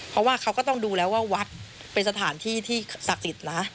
เพราะว่าเขาก็ต้องดูแล้วว่าวัดเป็นสถานที่ที่ศักดิ์สิทธิ์นะ